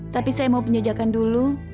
tapi saya mau penjajakan dulu